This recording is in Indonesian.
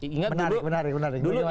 menarik menarik menarik